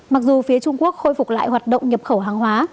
mặc dù phía trung quốc khôi phục lại hoạt động nhập khẩu hàng hóa